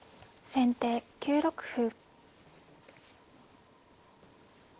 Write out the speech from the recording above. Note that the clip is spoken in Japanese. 先手１六歩。